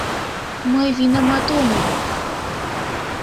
Мый винамат омыл.